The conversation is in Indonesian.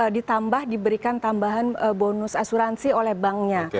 ditambah diberikan tambahan bonus asuransi oleh banknya